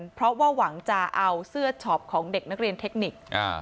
เพราะว่าหวังจะเอาเสื้อช็อปของเด็กนักเรียนเทคนิค